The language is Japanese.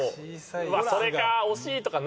それか！